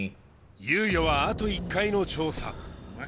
猶予はあと１回の調査